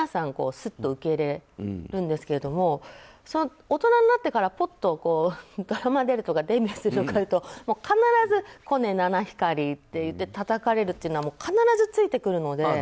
スッと受け入れるんですけど大人になってからぽっとデビューするとかいうと必ずコネ、七光りとかってたたかれるというのは必ずついてくるので。